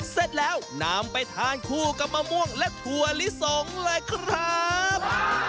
เสร็จแล้วนำไปทานคู่กับมะม่วงและถั่วลิสงเลยครับ